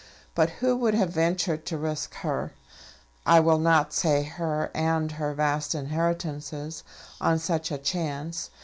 But who would have ventured to risk her, I will not say her and her vast inheritances, on such a chance?